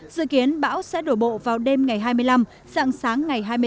dự kiến bão sẽ đổ bộ vào đêm ngày hai mươi năm